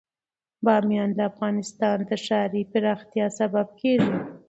بامیان د افغانستان د ښاري پراختیا سبب کېږي.